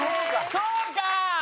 そうか！